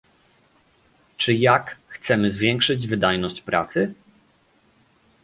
Czy jak chcemy zwiększyć wydajność pracy?